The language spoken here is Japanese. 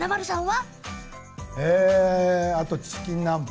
あとチキン南蛮。